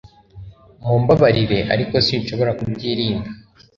Mumbabarire ariko sinshobora kubyirinda